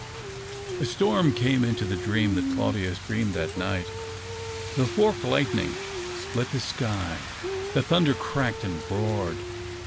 A storm came into the dream that Claudius dreamed that night. The forked lightning split the sky, the thunder cracked and roared.